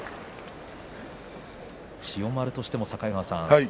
千代丸としては境川さん